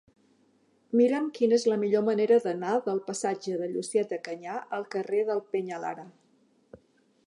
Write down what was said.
Mira'm quina és la millor manera d'anar del passatge de Llucieta Canyà al carrer del Peñalara.